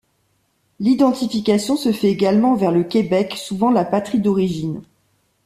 L'identification se fait également envers le Québec, souvent la patrie d'origine.